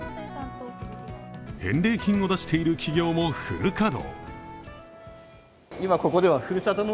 返礼品を出している企業もフル稼働。